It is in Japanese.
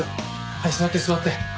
はい座って座って。